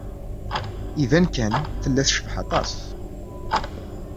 Iban kan tella tecbeḥ aṭas.